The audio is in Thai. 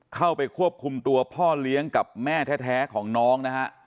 เข้าไปควบคุมตัวพ่อเลี้ยงกับแม่แท้ของน้องนะฮะ